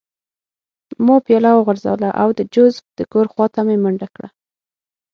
ما پیاله وغورځوله او د جوزف د کور خوا ته مې منډه کړه